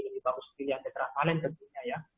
lebih bagus pilih yang tetravalent tentunya ya